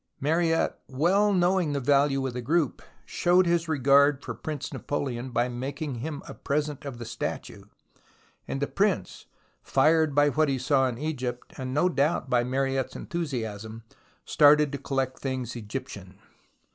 Mariette, well knowing the value of the group, showed his regard for Prince Napoleon by making him a present of the statue, and the Prince, fired by what he saw in Egypt, and no doubt by Mariette's enthusiasm, started to collect things Egyptian.